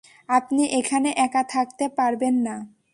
আপনি এখানে একা থাকতে পারবেন না।